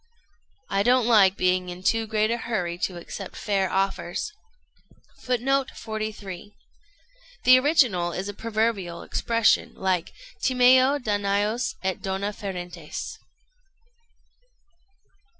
"I don't like being in too great a hurry to accept fair offers." [Footnote 43: The original is a proverbial expression like "Timeo Danaos et dona ferentes."